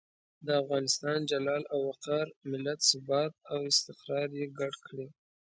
د افغانستان جلال او وقار، ملت ثبات او استقرار یې ګډ کړي.